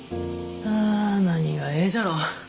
あ何がええじゃろう。